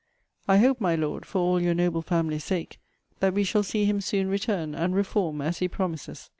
I hope, my Lord, for all your noble family's sake, that we shall see him soon return, and reform, as he promises.